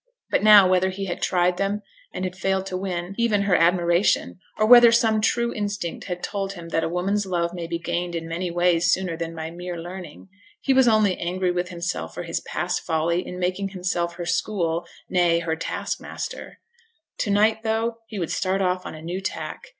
But now, whether he had tried them and had failed to win even her admiration, or whether some true instinct had told him that a woman's love may be gained in many ways sooner than by mere learning, he was only angry with himself for his past folly in making himself her school nay, her taskmaster. To night, though, he would start off on a new tack.